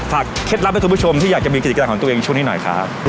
เคล็ดลับให้คุณผู้ชมที่อยากจะมีกิจการของตัวเองช่วงนี้หน่อยครับ